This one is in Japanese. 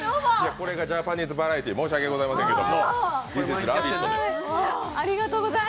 これがジャパニーズバラエティー申し訳ないですけど。